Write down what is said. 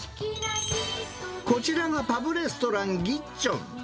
こちらがパブレストランぎっちょん。